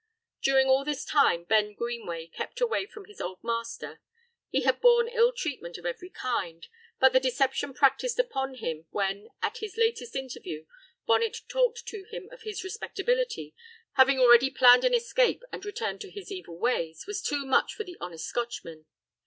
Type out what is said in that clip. During all this time Ben Greenway kept away from his old master; he had borne ill treatment of every kind, but the deception practised upon him when, at his latest interview, Bonnet talked to him of his respectability, having already planned an escape and return to his evil ways, was too much for the honest Scotchman.